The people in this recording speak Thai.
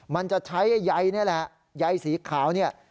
มันจะใช้ไอ้ใยนี่แหละใยสีขาวเนี่ย